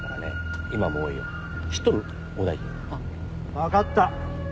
わかった。